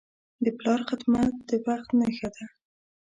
د پلار خدمت د بخت نښه ده.